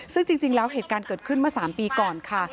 ซึ่งจริงแล้วเหตุการณ์เกิดขึ้นเมื่อ๓ปีก่อนค่ะ